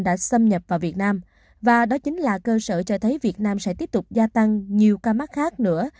đã xâm nhập vào việt nam và đó chính là cơ sở cho thấy việt nam sẽ tiếp tục gia tăng nhiều ca mắc khác nữa